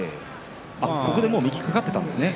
ここで右が掛かっていたんですね。